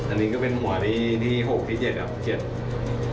อันนี้ก็เป็นหัวที่๖๗ครับ๗หัวนะครับ